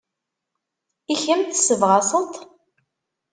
I kemm, tessebɣaseḍ-t?